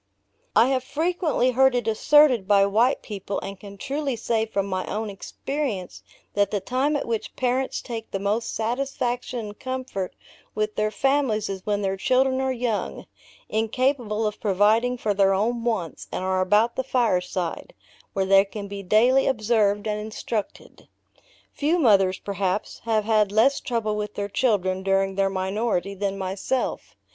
I have frequently heard it asserted by white people, and can truly say from my own experience that the time at which parents take the most satisfaction and comfort with their families is when their children are young, incapable of providing for their own wants, and are about the fireside, where they can be daily observed and instructed. Few mothers, perhaps, have had less trouble with their children during their minority than myself.